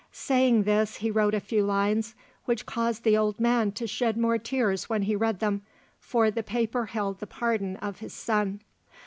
Saying this, he wrote a few lines, which caused the old man to shed more tears when he read them, for the paper held the pardon of his son.